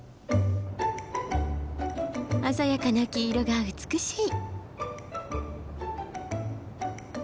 鮮やかな黄色が美しい。